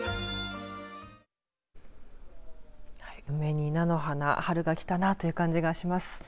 梅に菜の花春が来たなという感じがします。